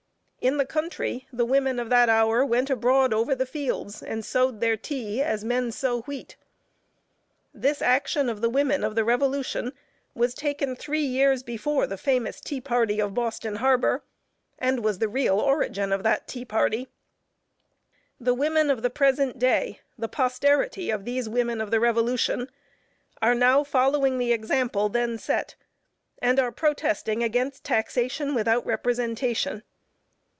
In the country, the women of that hour went abroad over the fields and sowed their tea, as men sow wheat. This action of the women of the revolution was taken three years before the famous Tea Party of Boston harbor, and was the real origin of that "Tea Party." The women of the present day, the "posterity" of these women of the revolution, are now following the example then set, and are protesting against taxation without representation.